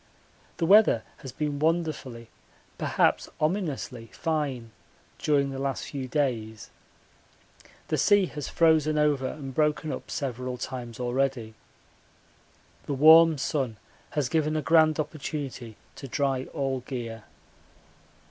The weather has been wonderfully, perhaps ominously, fine during the last few days. The sea has frozen over and broken up several times already. The warm sun has given a grand opportunity to dry all gear.